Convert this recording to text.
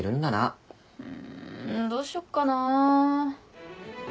んどうしよっかなぁ。